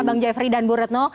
bang jeffrey dan bu retno